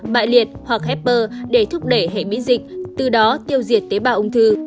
bại liệt hoặc heper để thúc đẩy hệ biến dịch từ đó tiêu diệt tế bào ung thư